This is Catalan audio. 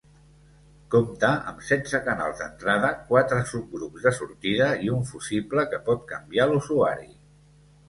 Compta amb setze canals d'entrada, quatre subgrups de sortida i un fusible que pot canviar l'usuari.